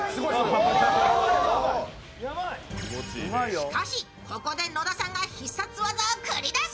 しかし、ここで野田さんが必殺技を繰り出す。